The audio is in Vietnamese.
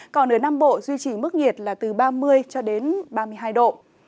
còn ở nam bộ duy trì mức nhiệt là từ ba mươi cho đến ba mươi hai độ